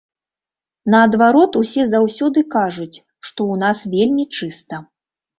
Наадварот усе заўсёды кажуць, што ў нас вельмі чыста.